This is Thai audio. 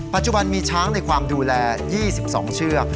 ปัจจุบันมีช้างในความดูแล๒๒เชือก